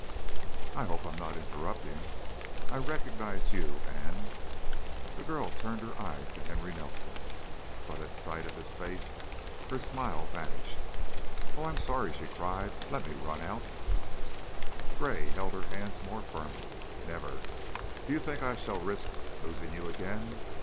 "I hope I'm not interrupting. I recognized you and " The girl turned her eyes to Henry Nelson, but at sight of his face her smile vanished. "Oh, I'm sorry!" she cried. "Let me run out " Gray held her hands more firmly. "Never. Do you think I shall risk losing you again?